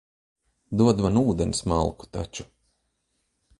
Dod man ūdens malku taču.